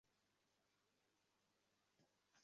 না, কোনো পরিকল্পনা নেই।